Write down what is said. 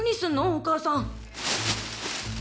お母さん！